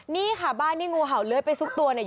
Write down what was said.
นี่ค่ะบ้านที่งูเห่าเลื้อยไปซุกตัวเนี่ย